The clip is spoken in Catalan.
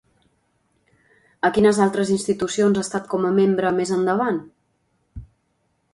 A quines altres institucions ha estat com a membre més endavant?